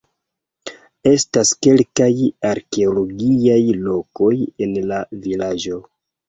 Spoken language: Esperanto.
Estas kelkaj arkeologiaj lokoj en la vilaĝo.